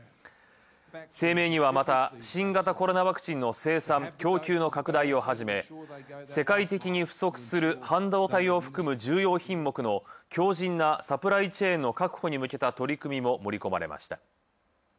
声明にはまた、新型コロナワクチンの生産、供給の拡大をはじめ、世界的に不足する半導体を含む重要品目の強靱なサプライチェーンの確保に向けた取り組みも盛り込まれました。